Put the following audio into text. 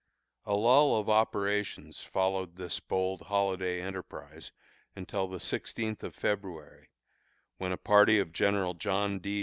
A lull of operations followed this bold holiday enterprise, until the sixteenth of February, when a party of General John D.